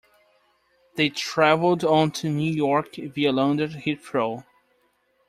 They travelled on to New York via London Heathrow